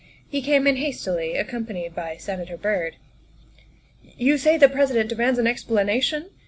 He came in hastily, accompanied by Senator Byrd. " You say the President demands an explanation?"